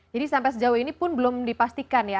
jadi sampai sejauh ini pun belum dipastikan ya